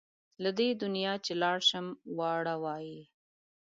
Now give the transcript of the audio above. له دې دنیا چې لاړ شم واړه وایي.